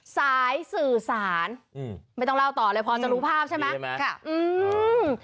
สายสื่อสารอืมไม่ต้องเล่าต่อเลยพอจะรู้ภาพใช่ไหมค่ะอืม